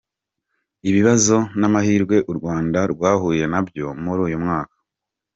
Ibibazo n’amahirwe u Rwanda rwahuye na byo muri uyu mwaka.